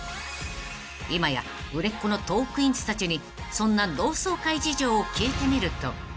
［今や売れっ子のトークィーンズたちにそんな同窓会事情を聞いてみると］